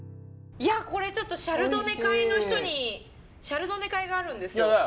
いやこれちょっとシャルドネ会の人にシャルドネ会があるんですよ。